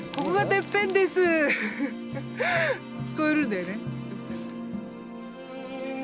聞こえるんだよね？